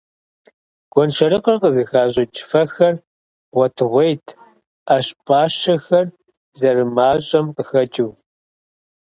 Гуэншэрыкъыр къызыхащӀыкӀ фэхэр гъуэтыгъуейт, Ӏэщ пӀащэхэр зэрымащӀэм къыхэкӀыу.